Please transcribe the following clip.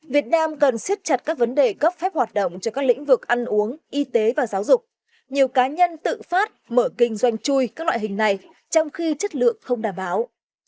việt nam cần siết chặt các vấn đề cấp phép hoạt động cho các lĩnh vực ăn uống y tế và giáo dục nhiều cá nhân tự phát mở kinh doanh chui các loại hình này trong khi chất lượng không đảm bảo